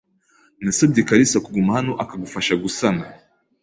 Nasabye kalisa kuguma hano akagufasha gusana.